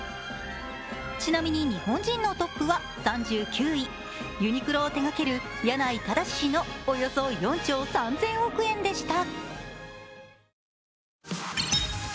ちなみに、日本人のトップは３９位、ユニクロを手掛ける柳井正氏のおよそ４兆３０００億円でした。